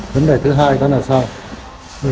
vấn đề thứ hai đó là sao